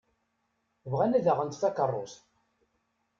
Bɣan ad d-aɣent takeṛṛust.